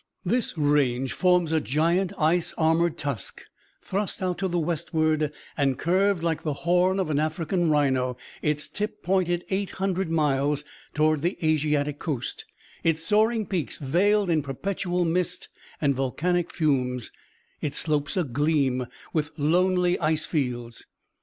This range forms a giant, ice armored tusk thrust out to the westward and curved like the horn of an African rhino, its tip pointed eight hundred miles toward the Asiatic coast, its soaring peaks veiled in perpetual mist and volcanic fumes, its slopes agleam with lonely ice fields.